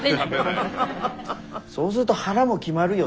そうするとはらも決まるよね。